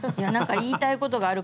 言いたいことがある？